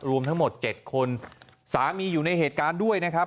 รวมทั้งหมด๗คนสามีอยู่ในเหตุการณ์ด้วยนะครับ